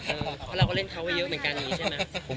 เพราะเราก็เล่นเขาไว้เยอะเหมือนกันอย่างนี้ใช่ไหม